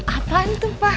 apaan tuh pak